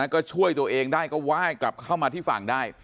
ก็ช่วยตัวเองได้ก็ไหว้กลับเข้ามาที่ฝั่งได้